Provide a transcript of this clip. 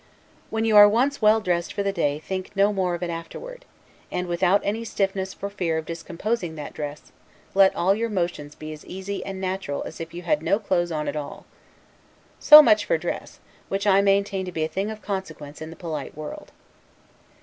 When you are once well dressed for the day think no more of it afterward; and, without any stiffness for fear of discomposing that dress, let all your motions be as easy and natural as if you had no clothes on at all. So much for dress, which I maintain to be a thing of consequence in the polite world.